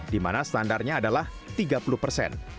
dimana standarnya adalah tiga puluh persen